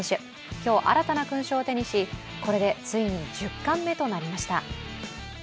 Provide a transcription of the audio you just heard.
今日、新たな勲章を手にし、これでついに１０冠目となりました。